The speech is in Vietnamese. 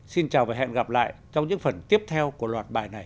xin chào và hẹn gặp lại trong những phần tiếp theo của loạt bài này